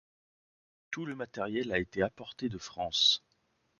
Tout le matériel a été apporté de France.